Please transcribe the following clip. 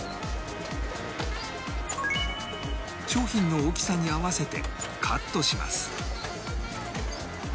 商品の大きさに合わせてカットします